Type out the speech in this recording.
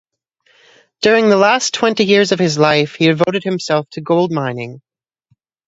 During the last twenty years of his life he devoted himself to gold mining.